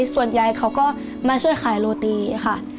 ส่วนใหญ่เขาก็มาช่วยขายโรตีค่ะ